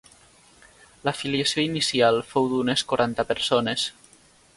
L'afiliació inicial fou d'unes quaranta persones.